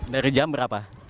dari jam berapa